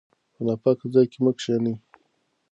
په ناپاکه ځای کې مه کښینئ.